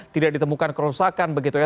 tidak ditemukan kerusakan begitu ya